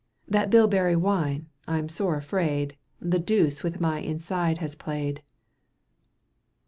— That bilberry wine, I'm sore afraid, The deuce with my inside has played."